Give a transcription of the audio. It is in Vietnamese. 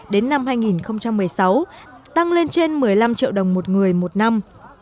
đến năm hai nghìn một mươi sáu tăng lên trên một mươi năm triệu đồng một người một năm